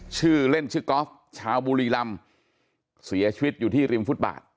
ชื่อเล่นชื่อกอล์ฟชาวบุรีรำเสียชีวิตอยู่ที่ริมฟุตบาท